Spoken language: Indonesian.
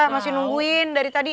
masih nungguin dari tadi